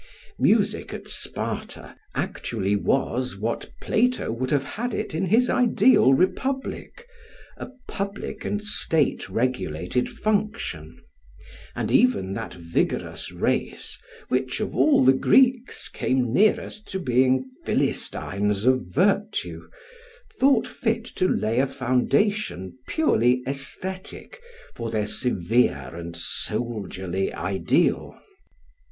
Music at Sparta actually was, what Plato would have had it in his ideal republic, a public and state regulated function; and even that vigorous race which of all the Greeks came nearest to being Philistines of virtue, thought fit to lay a foundation purely aesthetic for their severe and soldierly ideal.